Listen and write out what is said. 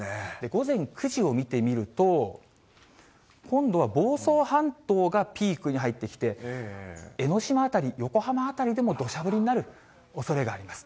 午前９時を見てみると、今度は房総半島がピークに入ってきて、江の島辺り、横浜辺りでも土砂降りになるおそれがあります。